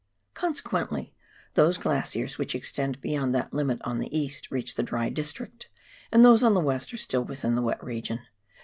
Consequently those glaciers which extend beyond that hmit on the east reach the dry district, and those on the west are still within the wet region.